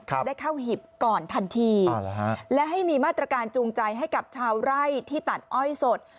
ได้เข้าหีบก่อนทันทีอ่าฮะและให้มีมาตรการจูงใจให้กับชาวไร่ที่ตัดอ้อยสด